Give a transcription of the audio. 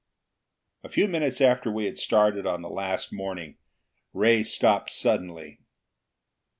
A few minutes after we had started on the last morning, Ray stopped suddenly.